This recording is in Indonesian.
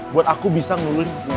buat aku bisa ngeluhin